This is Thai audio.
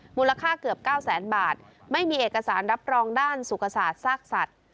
มูลค่าเกือบเก้าแสนบาทไม่มีเอกสารรับรองด้านสุขศาสตร์ซากสัตว์